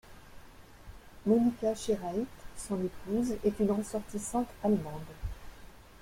Monika Cheraït, son épouse, est une ressortissante allemande.